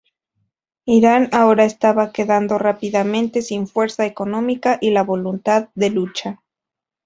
Irán, ahora estaba quedando rápidamente sin fuerza económica y la voluntad de lucha.